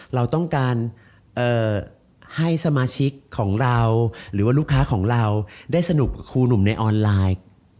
เราต้องการให้สมาชิกของเราหรือว่าลูกค้าของเราได้สนุกกับครูหนุ่มในออนไลน์